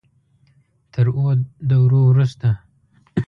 تر اوو دورو وروسته.